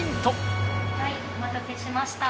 ・はいお待たせしました。